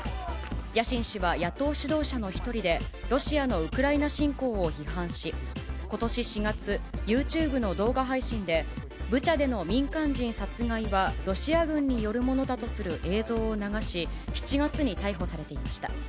ヤシン氏は野党指導者の一人で、ロシアのウクライナ侵攻を批判し、ことし４月、ユーチューブの動画配信で、ブチャでの民間人殺害はロシア軍によるものだとする映像を流し、７月に逮捕されていました。